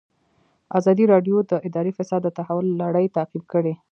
ازادي راډیو د اداري فساد د تحول لړۍ تعقیب کړې.